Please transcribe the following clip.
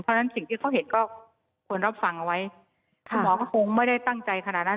เพราะฉะนั้นสิ่งที่เขาเห็นก็ควรรับฟังเอาไว้คุณหมอก็คงไม่ได้ตั้งใจขนาดนั้น